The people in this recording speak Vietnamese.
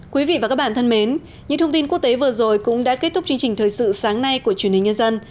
quý vị và các bạn thân mến những thông tin quốc tế vừa rồi cũng đã kết thúc chương trình thời sự sáng nay của truyền hình nhân dân